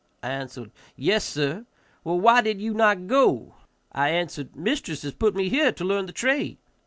I answered, "Yes, sir." "Well, why did ye not go?" I answered, "Mistress has put me here to learn the trade."